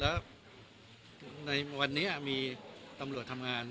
แล้วในวันนี้มีตำรวจทำงาน